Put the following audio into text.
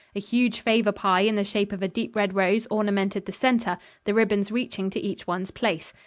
A huge favor pie in the shape of a deep red rose ornamented the center, the ribbons reaching to each one's place.